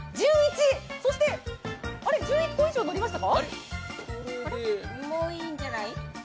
そして、１１個以上、のりましたか？